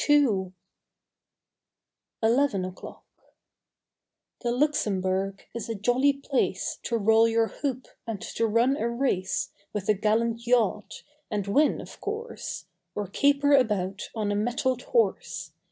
• TEN O'CLOCK 19 ELEVEN O'CLOCK T he Luxembourg is a jolly place To roll your hoop, and to run a race With a gallant yacht, and win, of course. Or caper about on a mettled horse!